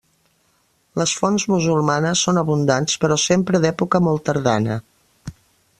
Les fonts musulmanes són abundants, però sempre d'època molt tardana.